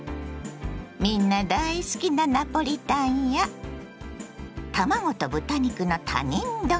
みんな大好きなナポリタンや卵と豚肉の他人丼。